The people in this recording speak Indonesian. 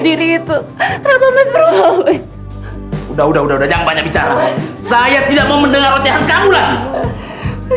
saya tidak mau mendengar rautian kamu